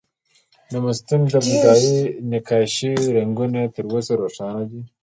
د مستونګ د بودايي نقاشیو رنګونه تر اوسه روښانه دي